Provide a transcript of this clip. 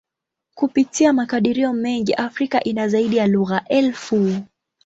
Kupitia makadirio mengi, Afrika ina zaidi ya lugha elfu.